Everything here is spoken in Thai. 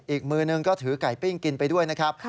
อีกมือนึงก็ถือไก่ปิ้งกินไปด้วยนะครับ